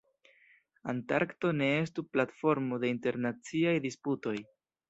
Antarkto ne estu platformo de internaciaj disputoj.